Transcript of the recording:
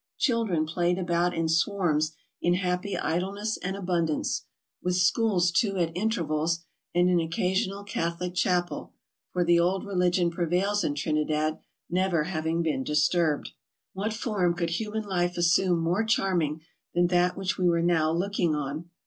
Children played about in swarms in happy idleness and abundance, with schools, too, at intervals, and an occasional Catholic chapel, for the old religion prevails in Trinidad, never having been disturbed. 422 TRAVELERS AND EXPLORERS What form could human life assume more charming than that which we were now looking on